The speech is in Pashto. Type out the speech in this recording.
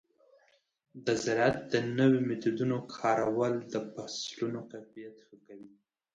د زراعت د نوو میتودونو کارول د فصلونو کیفیت ښه کوي.